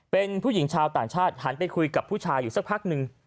เป็นผู้หญิงชาวต่างชาติหันไปคุยกับผู้ชายอยู่สักพักหนึ่ง